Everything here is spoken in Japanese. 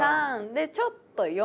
でちょっと４。